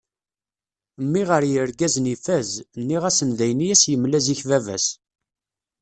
Mmi ɣer yirgazen ifaz, nniɣ-asen d ayen i as-yemla zik baba-s.